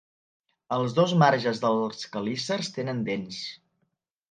Els dos marges dels quelícers tenen dents.